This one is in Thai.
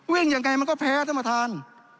วิ่งอย่างไรมันก็แพ้ธรรมทาน